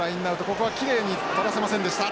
ここはきれいに飛ばせませんでした。